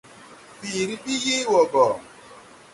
Fiiri ɓi yee wɔɔ gɔ.